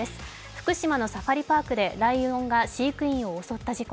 福島のサファリパークでライオンが飼育員を襲った事故。